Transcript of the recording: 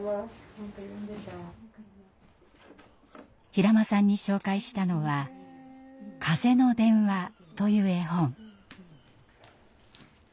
平間さんに紹介したのは「かぜのでんわ」という絵本。